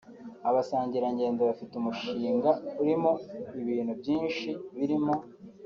Abasangirangendo bafite umushinga urimo ibintu byinshi birimo